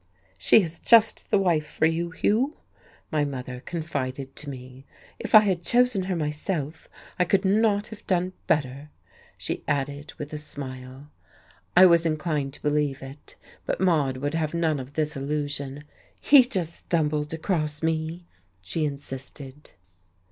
"She is just the wife for you, Hugh," my mother confided to me. "If I had chosen her myself I could not have done better," she added, with a smile. I was inclined to believe it, but Maude would have none of this illusion. "He just stumbled across me," she insisted....